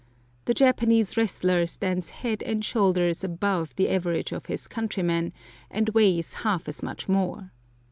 The Japanese wrestler stands head and shoulders above the average of his countrymen, and weighs half as much more.